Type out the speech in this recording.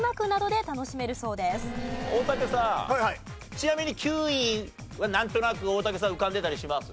ちなみに９位はなんとなく大竹さん浮かんでたりします？